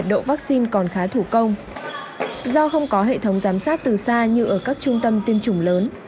do không có hệ thống giám sát từ xa như ở các trung tâm tiêm chủng lớn